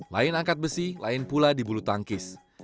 lain angkat besi lain pula dibulu tangkis